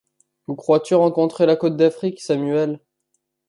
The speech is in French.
Où crois-tu rencontrer la côte d’Afrique, Samuel?